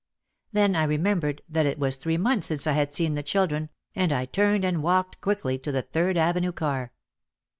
Then I remembered that it was three months since I had seen the children and I turned and walked quickly to the Third Avenue car.